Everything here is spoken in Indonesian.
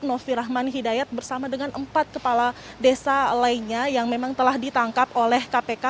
novi rahman hidayat bersama dengan empat kepala desa lainnya yang memang telah ditangkap oleh kpk